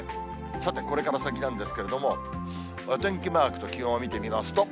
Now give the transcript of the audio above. さて、これから先なんですけれども、お天気マークと気温を見てみますと。